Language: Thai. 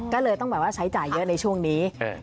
ก็เลยต้องแบบว่าใช้จ่ายเยอะในช่วงนี้